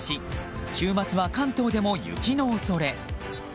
週末は関東でも雪の恐れ。